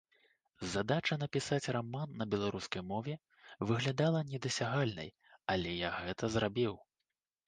Задача напісаць раман на беларускай мове выглядала недасягальнай, але я гэта зрабіў.